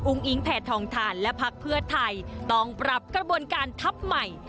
อิงแผ่ทองทานและพักเพื่อไทยต้องปรับกระบวนการทัพใหม่